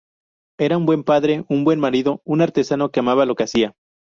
Era un buen padre, un buen marido, un artesano que amaba lo que hacía".